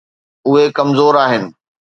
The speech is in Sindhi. اهي ڪمزور آهن.